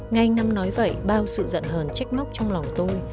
ngay anh nam nói vậy bao sự giận hờn trách móc trong lòng tôi